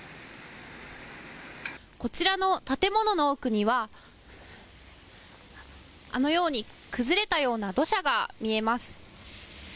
こちらの建物の奥にはあのように崩れたような土砂が見えます。